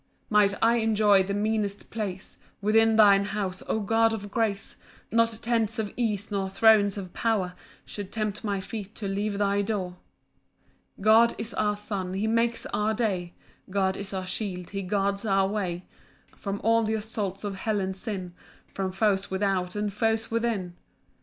2 Might I enjoy the meanest place Within thine house, O God of grace, Not tents of ease, nor thrones of power, Should tempt my feet to leave thy door. 3 God is our sun, he makes our day; God is our shield, he guards our way From all th' assaults of hell and sin, From foes without, and foes within.